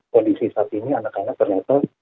kondisi saat ini anak anak ternyata